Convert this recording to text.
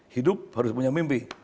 hidup harus punya mimpi